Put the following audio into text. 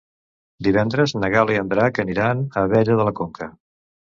Divendres na Gal·la i en Drac aniran a Abella de la Conca.